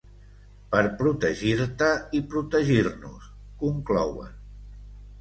Per protegir-te i protegir-nos, conclouen.